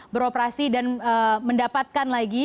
beroperasi dan mendapatkan lagi